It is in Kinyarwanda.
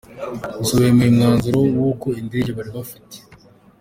gusa bemeye uyu mwanzuro w’uko indege bari bafite.